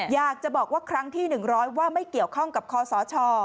อยากจะบอกว่าครั้งที่๑๐๐ว่าไม่เกี่ยวข้องกับคอสช